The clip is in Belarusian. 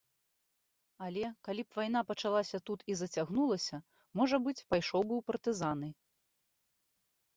Але, калі б вайна пачалася тут і зацягнулася, можа быць, пайшоў бы ў партызаны.